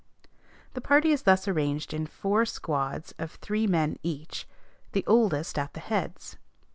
The party is thus arranged in four squads of three men each, the oldest at the heads.